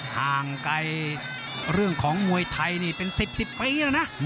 ทางไกลเรื่องของมวยไทยเป็น๑๐ปีนะ